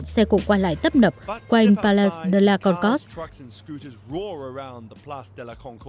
nhưng xe cụ qua lại tấp nập quanh palais de la concorde